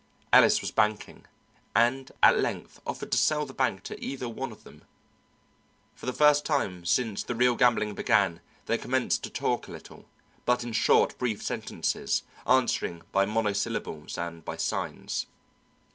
Ellis was banking, and at length offered to sell the bank to either one of them. For the first time since the real gambling began they commenced to talk a little, but in short, brief sentences, answering by monosyllables and by signs.